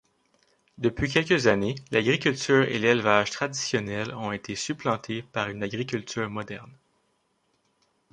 Depuis quelques années l'agriculture et l'élevage traditionnels ont été supplantés par une agriculture moderne.